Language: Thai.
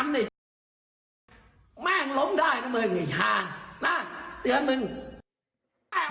แม่งล้มได้นะเมืองค่ะนะเตือนมึง